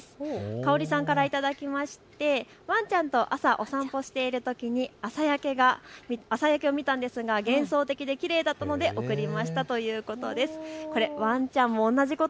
かおりさんから頂きましてワンちゃんと朝お散歩しているときに朝焼けを見たんですが幻想的できれいだったので送りましたということです。